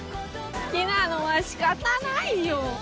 「好きなのは仕方ないよ」